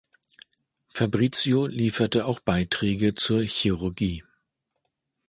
Fabrizio lieferte auch Beiträge zur Chirurgie.